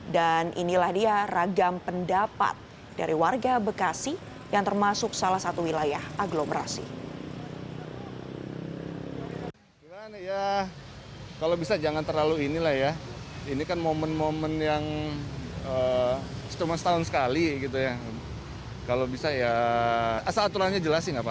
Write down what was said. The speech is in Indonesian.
dan inilah dia ragam pendapat dari warga bekasi yang termasuk salah satu wilayah aglomerasi